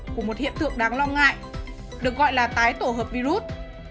của một hiện tượng đáng lo ngại được gọi là tái tổ hợp virus